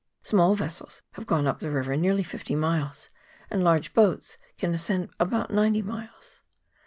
Small vessels have gone up the river nearly fifty miles, and large boats can ascend about ninety miles.